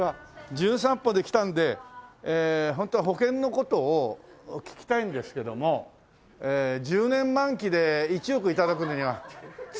『じゅん散歩』で来たんでホントは保険の事を聞きたいんですけども１０年満期で１億頂くのには月どのくらい払ったら？